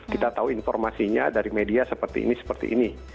kita tahu informasinya dari media seperti ini seperti ini